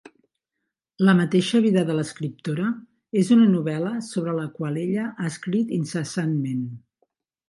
La mateixa vida de l'escriptora és una novel·la sobre la qual ella ha escrit incessantment.